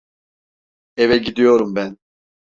Eve gidiyorum ben.